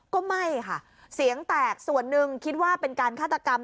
ก็ไม่ค่ะเสียงแตกส่วนหนึ่งคิดว่าเป็นการฆาตกรรม